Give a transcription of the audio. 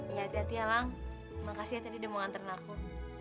hati hati ya lang makasih ya tadi udah mau nganterin aku